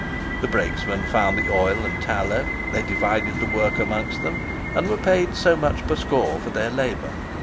The brakesmen found the oil and tallow; they divided the work amongst them, and were paid so much per score for their labour.